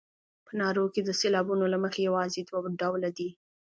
په نارو کې د سېلابونو له مخې یوازې دوه ډوله دي.